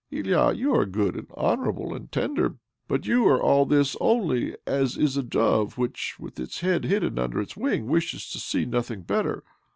Ilya, you are good and honourable and tender ; but you are all this only as is a dove which, with its head hidden under its wing, wishes to see nothing, better.